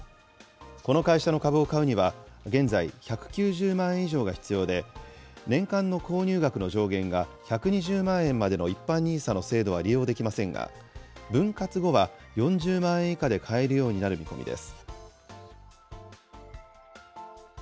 この会社の株を買うには、現在、１９０万円以上が必要で、年間の購入額の上限が１２０万円までの一般ＮＩＳＡの制度は利用できませんが、分割後は４０万円以下で買えるようになる見込みです。